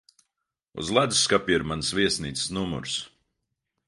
Uz ledusskapja ir manas viesnīcas numurs.